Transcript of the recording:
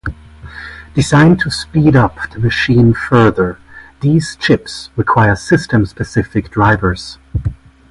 Designed to speed up the machine further, these chips require system-specific drivers.